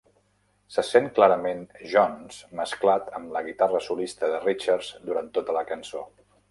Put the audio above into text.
Se sent clarament Jones, mesclat amb la guitarra solista de Richards durant tota la cançó.